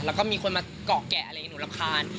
แล้วก็มีคนมาเกาะแกะอะไรอย่างนี้หนูรำคาญ